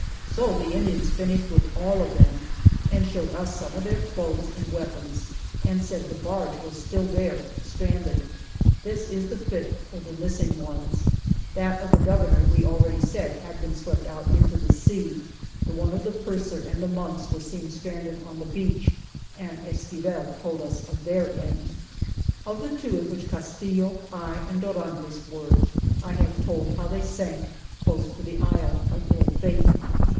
So the Indians finished with all of them, and showed us some of their clothes and weapons and said the barge was still there stranded. This is the fifth of the missing ones. That of the Governor we already said had been swept out into the sea, the one of the purser and the monks was seen stranded on the beach and Esquivel told us of their end. Of the two in which Castillo, I and Dorantes were I have told how they sank close to the Isle of Ill Fate.